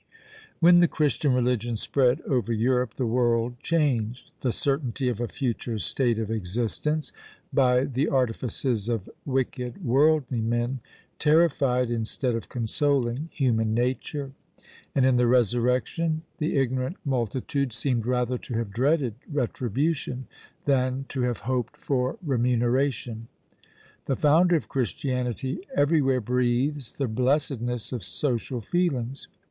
When the Christian religion spread over Europe, the world changed! the certainty of a future state of existence, by the artifices of wicked worldly men, terrified instead of consoling human nature; and in the resurrection the ignorant multitude seemed rather to have dreaded retribution, than to have hoped for remuneration. The Founder of Christianity everywhere breathes the blessedness of social feelings.